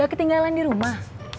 gak ketinggalan di rumah